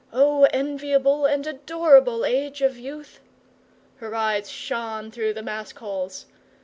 'Oh, enviable and adorable age of youth!' Her eyes shone through the mask holes.